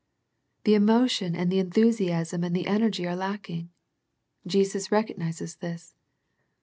The emotion and the enthusiasm and the energy are lacking. Jesus recognizes this.